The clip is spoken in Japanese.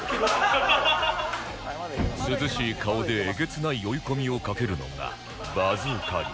涼しい顔でえげつない追い込みをかけるのがバズーカ流